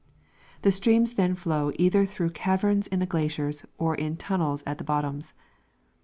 The streams then flow either through caverns in the glaciers or in tunnels at the bottoms.